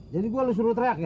jadi gue lo suruh teriak ya